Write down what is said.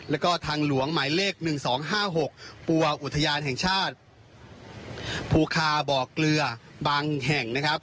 แล้วก็ทางหลวงหมายเลข๑๒๕๖ปัวอุทยานแห่งชาติภูคาบ่อเกลือบางแห่งนะครับ